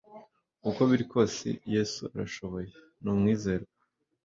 Uko biri kose yesu araryoshye numwizerwa